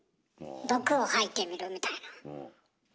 毒を吐いてみるみたいな。